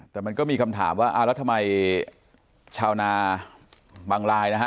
แต่มันก็มีคำถามว่าอ่าแล้วทำไมชาวนาบางลายนะฮะ